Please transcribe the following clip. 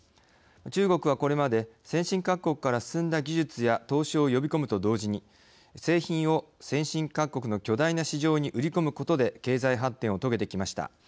中国はこれまで先進各国から進んだ技術や投資を呼び込むと同時に製品を先進各国に巨大な市場に売り込むことで経済発展を遂げてきました。